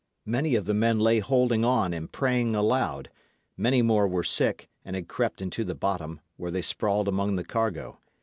Many of the men lay holding on and praying aloud; many more were sick, and had crept into the bottom, where they sprawled among the cargo.